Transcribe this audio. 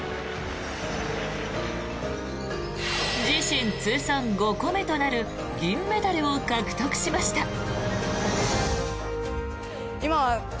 自身通算５個目となる銀メダルを獲得しました。